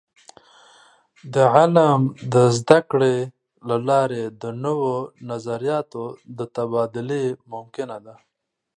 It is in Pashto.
د علم د زده کړې له لارې د نوو نظریاتو د تبادلې ممکنه ده.